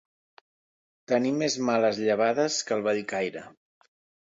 Tenir més males llevades que el Bellcaire.